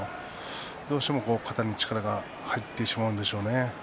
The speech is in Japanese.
どうしても肩に力が入ってしまうんでしょうね。